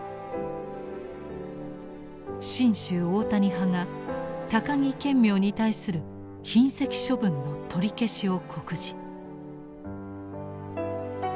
真宗大谷派が高木顕明に対する擯斥処分の取り消しを告示。